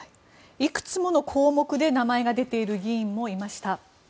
いくつもの項目で名前が出ている議員もいました。